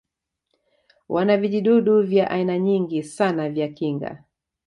wana vijidudu vya aina nyingi sana vya kinga